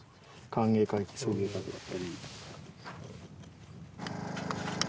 歓迎会送迎会だったり。